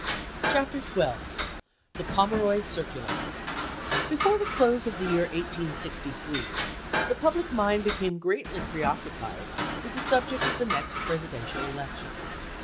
CHAPTER XII THE POIVIEROY CIRCULAR BEFORE the close of the year 1863 the public chap. xii. mind became greatly preoccupied with the subject of the next Presidential election.